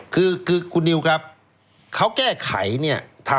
คือคุณนิวครับเขาแก้ไขเนี่ย